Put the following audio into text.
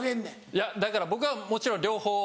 いやだから僕はもちろん両方。